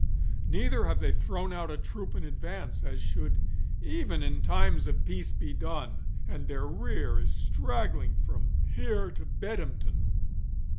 Neither have they thrown out a troop in advance, as should even in times of peace be done, and their rear is straggling from here to Bedhampton.